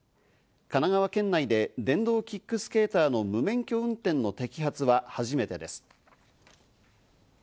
神奈川県内で電動キックスケーターの無免許運転の摘発は初めてです。